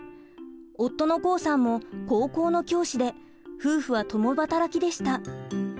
夫の功さんも高校の教師で夫婦は共働きでした。